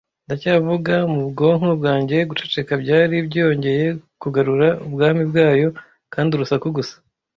ndacyavuga mu bwonko bwanjye, guceceka byari byongeye kugarura ubwami bwayo, kandi urusaku gusa